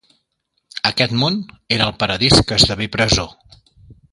Aquest món era el paradís que esdevé presó.